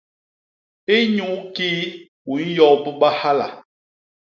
Inyukii u nyobba hala?